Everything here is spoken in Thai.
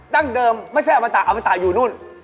ดั้งเดิมไม่ใช่อมตะอมตะอยู่นู่น